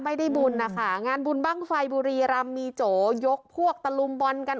ไม่ได้บุญนะคะงานบุญบ้างไฟบุรีรำมีโจยกพวกตะลุมบอลกัน